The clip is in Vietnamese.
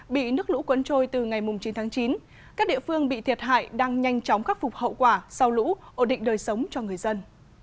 bị nước lũ cuốn trôi từ ngày chín tháng chín các địa phương bị thiệt hại đang nhanh chóng khắc phục hậu quả sau lũ ổ định đời sống cho người dân